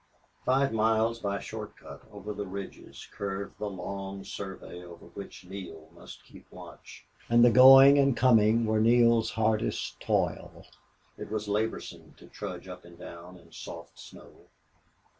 Five miles by short cut over the ridges curved the long survey over which Neale must keep watch; and the going and coming were Neale's hardest toil. It was laborsome to trudge up and down in soft snow.